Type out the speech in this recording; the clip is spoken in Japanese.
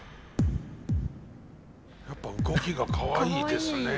やっぱ動きがかわいいですね。